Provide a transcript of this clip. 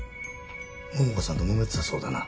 桃花さんともめてたそうだな。